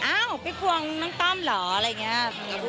อ้าวพี่ควงน้องต้อมเหรออะไรอย่างนี้